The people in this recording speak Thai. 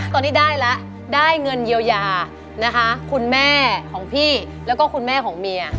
ตอนนี้ได้แล้วได้เงินเยียวยานะคะคุณแม่ของพี่แล้วก็คุณแม่ของเมีย